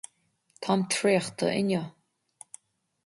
Táim traochta inniu.